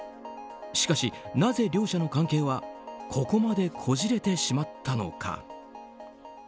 しかし、なぜ両者の関係はここまでこじれてしまったのか。